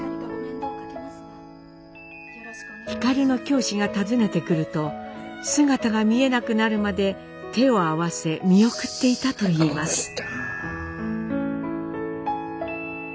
皓の教師が訪ねてくると姿が見えなくなるまで手を合わせ見送っていたといいます。